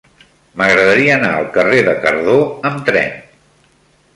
M'agradaria anar al carrer de Cardó amb tren.